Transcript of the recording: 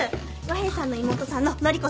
和平さんの妹さんの典子さん。